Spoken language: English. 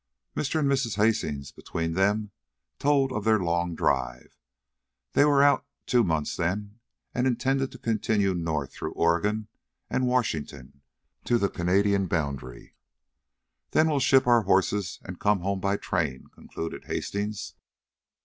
Mr. and Mrs. Hastings, between them, told of their long drive. They were out two months then, and intended to continue north through Oregon and Washington to the Canadian boundary. "Then we'll ship our horses and come home by train," concluded Hastings.